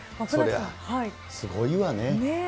すごいわね。